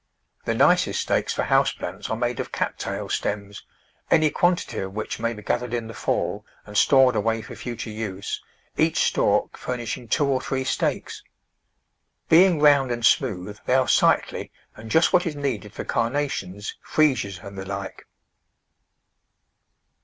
The nicest stakes for house plants are made of Cat tail stems, any quantity of which may be gathered in the fall and stored away for future use, each stalk furnishing two or three stakes. Being round and smooth they are sightly and just what is needed for Carnations, Freesias and the like.